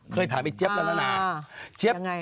ก็ถามไอ้เจ๊ฟละละนาง